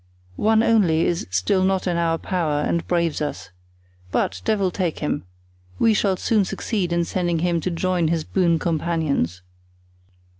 One only is still not in our power and braves us. But, devil take him! we shall soon succeed in sending him to join his boon companions.